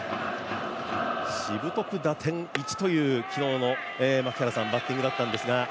しぶとく打点１という昨日のバッティングだったんですが。